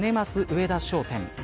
上田商店。